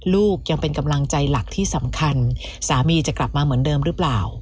ลูกยังเป็นกำลังใจหลักที่สำคัญสามีจะกลับมาเหมือนเดิมหรือเปล่า